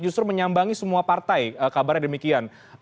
justru menyambangi semua partai kabarnya demikian